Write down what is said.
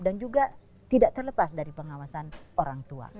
dan juga tidak terlepas dari pengawasan orang tua